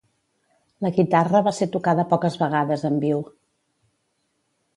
La guitarra va ser tocada poques vegades en viu.